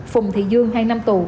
phùng thị dương hai năm tù